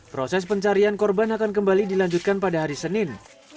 proses pencarian korban akan kembali dilanjutkan pada hari senin